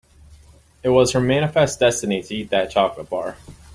It was her manifest destiny to eat that chocolate bar.